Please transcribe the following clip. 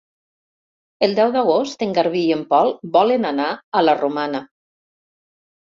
El deu d'agost en Garbí i en Pol volen anar a la Romana.